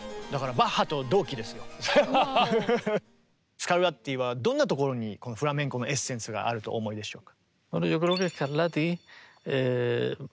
スカルラッティはどんなところにフラメンコのエッセンスがあるとお思いでしょう？